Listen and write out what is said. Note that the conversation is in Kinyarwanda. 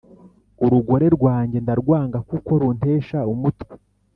Urugore rwanjye ndarwanga kuko runtesha umutwe